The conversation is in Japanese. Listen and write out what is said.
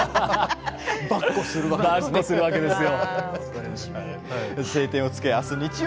ばっこするわけですよ。